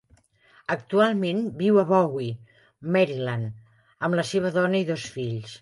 Actualment viu a Bowie, Maryland, amb la seva dona i dos fills.